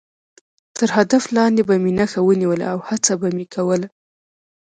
تر هدف لاندې به مې نښه ونیوله او هڅه به مې کوله.